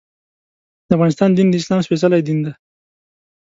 د افغانستان دین د اسلام سپېڅلی دین دی.